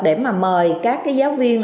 để mà mời các giáo viên